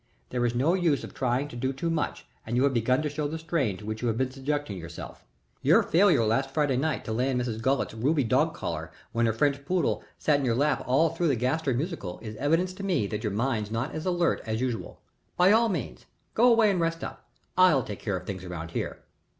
There is no use of trying to do too much and you have begun to show the strain to which you have been subjecting yourself. Your failure last Friday night to land Mrs. Gollet's ruby dog collar when her French poodle sat in your lap all through the Gaster musicale is evidence to me that your mind is not as alert as usual. By all means, go away and rest up. I'll take care of things around here."